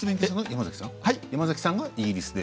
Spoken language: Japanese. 山崎さんがイギリスで？